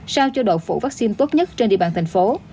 sao cho đội phủ vắc xin tốt nhất trên địa bàn tp hcm